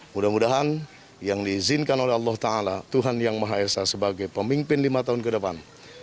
mudah mudahan yang diizinkan oleh allah ⁇ taala ⁇ tuhan yang maha esa sebagai pemimpin lima tahun ke depan